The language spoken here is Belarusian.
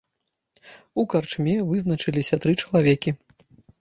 У карчме вызначаліся тры чалавекі.